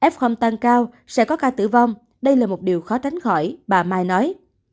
f tăng cao sẽ có ca tử vong đây là một điều khó tránh khỏi bà mai nói